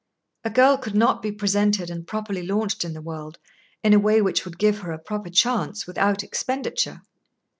A girl could not be presented and properly launched in the world, in a way which would give her a proper chance, without expenditure.